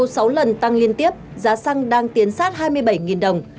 sau sáu lần tăng liên tiếp giá xăng đang tiến sát hai mươi bảy đồng